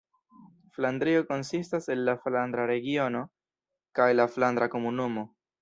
Flandrio konsistas el la Flandra Regiono kaj la Flandra Komunumo.